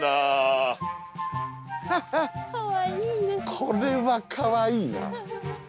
これはかわいいな。